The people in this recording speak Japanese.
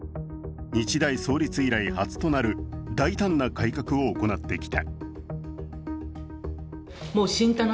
日大創立以来初となる大胆な改革を行ってきた。